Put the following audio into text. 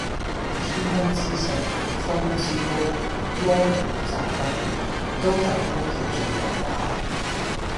天空之城，風之谷，魔女宅急便，都係宮崎駿動畫